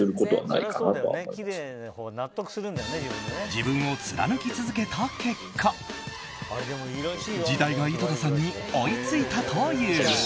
自分を貫き続けた結果時代が井戸田さんに追いついたという。